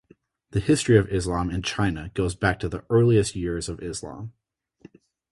The History of Islam in China goes back to the earliest years of Islam.